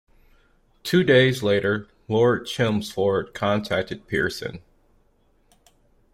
Two days later, Lord Chelmsford contacted Pearson.